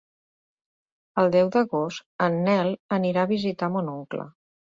El deu d'agost en Nel anirà a visitar mon oncle.